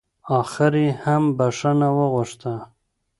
اخر يې هم بښنه وغوښته.